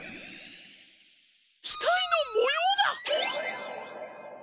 ひたいのもようだ！